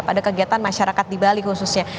pada kegiatan masyarakat di bali khususnya